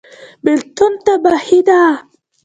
بیلتون تباهي ده